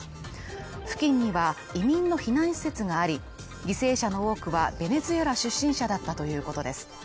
付近には移民の避難施設があり、犠牲者の多くはベネズエラ出身者だったということです。